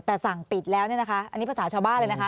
แต่สั่งปิดแล้วเนี่ยนะคะอันนี้ภาษาชาวบ้านเลยนะคะ